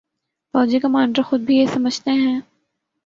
فوجی کمانڈر خود بھی یہ سمجھتے ہیں۔